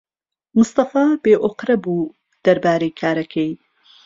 مستەفا بێئۆقرە بوو دەربارەی کارەکەی.